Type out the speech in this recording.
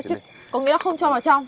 có nghĩa là không cho vào trong